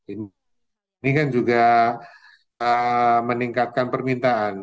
ini kan juga meningkatkan permintaan